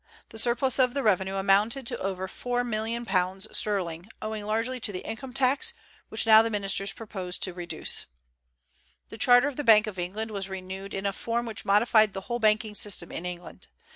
The surplus of the revenue amounted to over £4,000,000 sterling, owing largely to the income tax, which now the ministers proposed to reduce. The charter of the Bank of England was renewed in a form which modified the whole banking system in England.